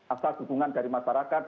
asal hubungan dari masyarakat